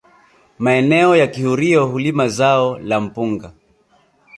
Maeneo ya kihurio hulima zao la mpunga